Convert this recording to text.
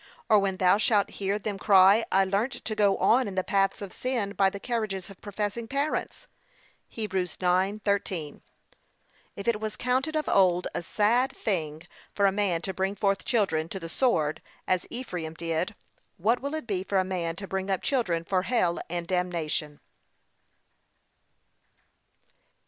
or when thou shalt hear them cry, I learnt to go on in the paths of sin by the carriages of professing parents. (Heb. 9:13) If it was counted of old a sad thing for a man to bring forth children to the sword, as Ephraim did, what will it be for a man to bring up children for hell and damnation?